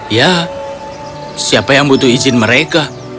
ya siapa yang butuh izin mereka